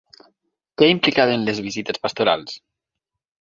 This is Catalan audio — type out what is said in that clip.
Què implicaven les visites pastorals?